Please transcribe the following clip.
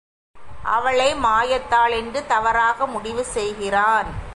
அவளை மாயத்தாள் என்று தவறாக முடிவு செய்கிறான்.